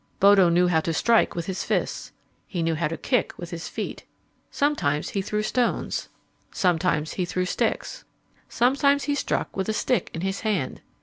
Bodo knew how to strike with his fists. He knew how to kick with his feet. Sometimes he threw stones. Sometimes he threw sticks. Sometimes he struck with a stick in his hand.